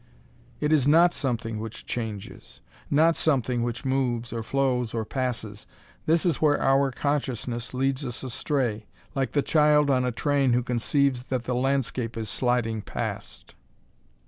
It is not something which changes. Not something which moves, or flows or passes. This is where our consciousness leads us astray, like the child on a train who conceives that the landscape is sliding past.